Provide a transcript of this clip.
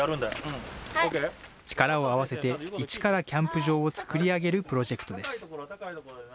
力を合わせて、一からキャンプ場を作り上げるプロジェクトです。